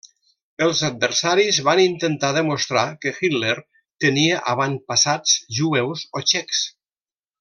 Els adversaris van intentar demostrar que Hitler tenia avantpassats jueus o txecs.